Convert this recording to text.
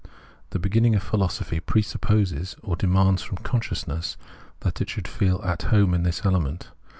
The beginning of philosophy pre supposes or demands from consciousness that it should feel at home in this element.